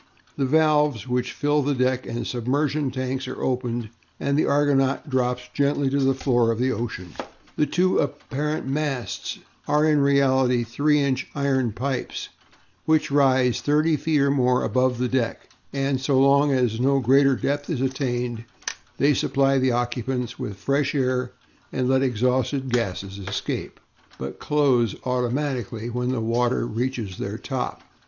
The valves which fill the deck and submersion tanks are opened, and the Argonaut drops gently to the floor of the ocean. The two apparent masts are in reality 3 inch iron pipes which rise thirty feet or more above the deck, and so long as no greater depth is attained, they supply the occupants with fresh air and let exhausted gases escape, but close automatically when the water reaches their top.